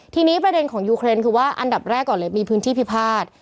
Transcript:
ทีนี้ประเด็นของยูเครนคือว่าอันดับแรกก่อนเลยมีพื้นที่พิพาท